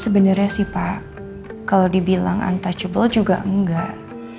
sebenarnya sih pak kalau dibilang tak terhubung juga enggak